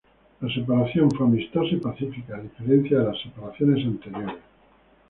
La separación fue amistosa y pacífica, a diferencia de las separaciones anteriores.